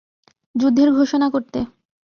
যুদ্ধের ঘোষণা করতে।